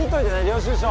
領収書。